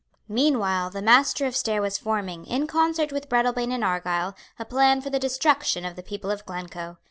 Meanwhile the Master of Stair was forming, in concert with Breadalbane and Argyle, a plan for the destruction of the people of Glencoe.